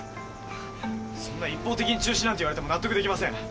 そんな一方的に中止なんて言われても納得できません！